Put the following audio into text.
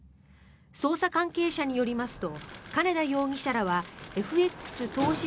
捜査関係者によりますと金田容疑者らはＦＸ投資